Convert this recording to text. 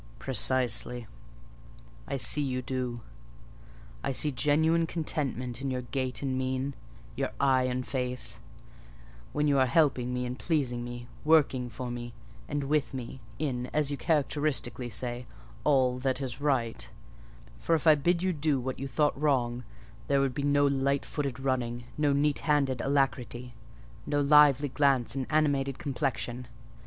"Precisely: I see you do. I see genuine contentment in your gait and mien, your eye and face, when you are helping me and pleasing me—working for me, and with me, in, as you characteristically say, 'all that is right:' for if I bid you do what you thought wrong, there would be no light footed running, no neat handed alacrity, no lively glance and animated complexion.